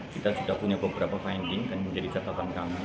kita sudah punya beberapa finding dan menjadi catatan kami